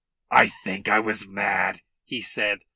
"I think I was mad," he said.